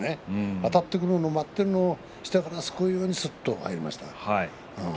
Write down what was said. あたってくるのを待って下からすくうようにすっと出ました。